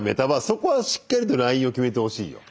そこはしっかりとラインを決めてほしいよ。